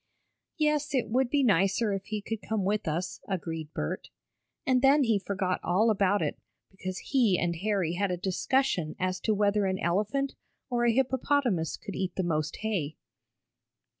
"Yes, it would be nicer if he could come with us," agreed Bert. And then he forgot all about it, because he and Harry had a discussion as to whether an elephant or a hippopotamus could eat the most hay.